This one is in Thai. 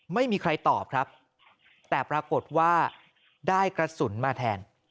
ไม่มีใครตอบครับแต่ปรากฏว่าได้กระสุนมาแทน